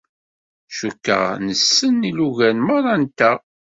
Cukkeɣ nessen ilugan merra-nteɣ.